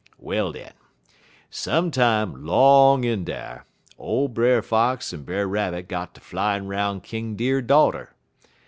"Well, den, some time 'long in dar, ole Brer Fox en Brer Rabbit got ter flyin' 'roun' King Deer daughter.